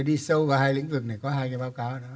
đi sâu vào hai lĩnh vực này có hai cái báo cáo đó